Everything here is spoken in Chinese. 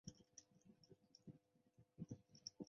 请注意部份古道的路径可能不明显或不连贯。